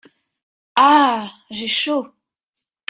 Ah ! j’ai chaud !